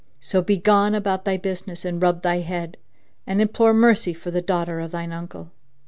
So begone about thy business and rub thy head[FN#5] and implore mercy for the daughter of thine uncle!"